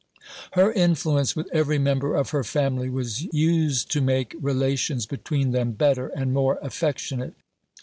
Her influence with every member of her family was used to make relations between them better and more affectionate.